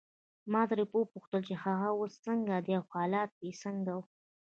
ما ترې وپوښتل چې هغه اوس څنګه دی او حالت یې څنګه وو.